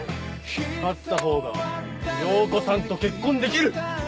勝ったほうが遼子さんと結婚できる。